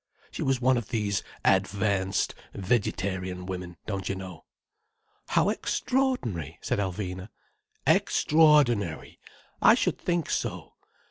She was one of these advanced vegetarian women, don't you know." "How extraordinary!" said Alvina. "Extraordinary! I should think so.